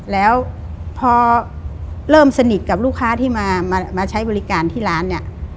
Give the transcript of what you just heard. แล้วพอเริ่มสนิทกับลูกค้าที่มาใช้บริการที่ร้านเนี่ย